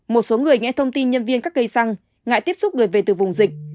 một số người nghe thông tin nhân viên các cây xăng ngại tiếp xúc người về từ vùng dịch